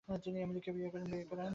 তিনি এমিলাকে বিয়ে করেন।